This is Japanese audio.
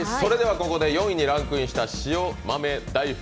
ここで４位にランクインした塩豆大福